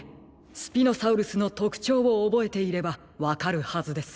スピノサウルスのとくちょうをおぼえていればわかるはずです。